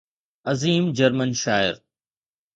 عظيم جرمن شاعر